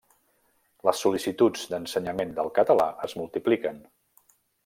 Les sol·licituds d'ensenyament del català es multipliquen.